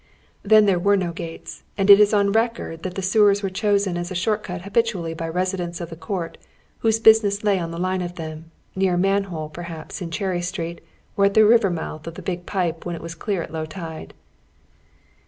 Then there wei'e no gates, and it is on record that the sewers were chosen as a shoi't cut habitually by residents of the court whose business lay on the line of them, near a manhole, perhaps, in Cherry Street, or at the river month of the big pipe when it was clear at low tide.